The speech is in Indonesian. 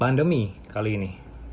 atau mempengaruhi pada pandemik kali ini